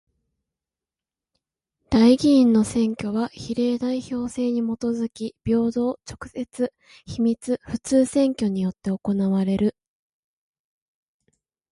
代議員の選挙は比例代表制にもとづき平等、直接、秘密、普通選挙によって行われる。